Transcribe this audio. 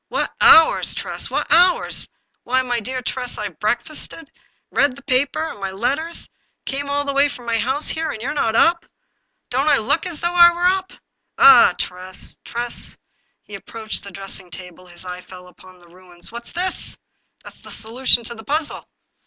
" What hours, Tress, what hours ! Why, my dear Tress, I've breakfasted, read the papers and my letters, came all the way from my house here, and you're not up !"" Don't I look as though I were up ?" 254 The Puzzle " Ah, Tress ! Tress !" He approached the dressing table. His eye fell upon the ruins. " What's this? "" That's the solution to the puzzle."